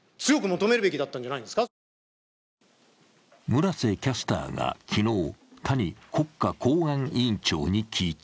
村瀬キャスターが昨日、谷国家公安委員長に聞いた。